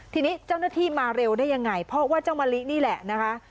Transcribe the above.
ทีนี้เจ้าหน้าที่มาเร็วได้ยังไงเพราะว่าเจ้ามะลินี่แหละนะคะ